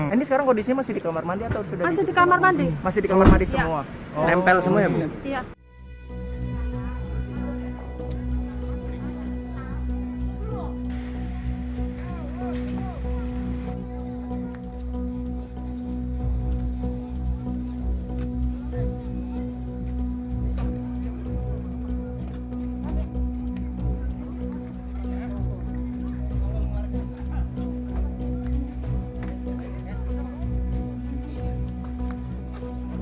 ini sekarang kondisinya masih di kamar mandi atau sudah disitu